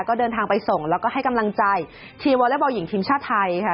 ก็เดินทางไปส่งแล้วก็ให้กำลังใจทีมวอเล็กบอลหญิงทีมชาติไทยค่ะ